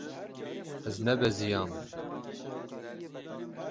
Ez nebeziyam.